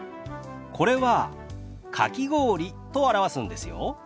これは「かき氷」と表すんですよ。